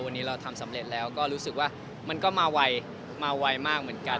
วันนี้เราทำสำเร็จแล้วก็รู้สึกว่ามันก็มาไวมาไวมากเหมือนกัน